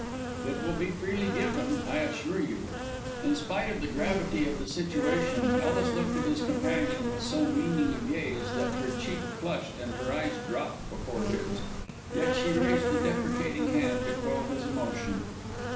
"It will be freely given, I assure you." In spite of the gravity of the situation, Ellis looked at his companion with so meaning a gaze that her cheek flushed and her eyes dropped before his. Yet she raised a deprecating hand to quell his emotion.